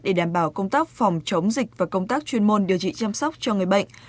để đảm bảo công tác phòng chống dịch và công tác chuyên môn điều trị chăm sóc cho người bệnh